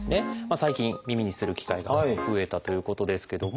最近耳にする機会が増えたということですけども。